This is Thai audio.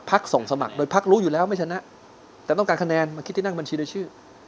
ส่งสมัครโดยพักรู้อยู่แล้วไม่ชนะแต่ต้องการคะแนนมาคิดที่นั่งบัญชีในชื่อ